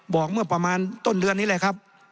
บอกเมื่อประมาณต้นเดือนนี้แหละครับ